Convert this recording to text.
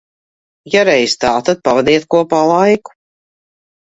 Ja reiz tā, tad pavadiet kopā laiku.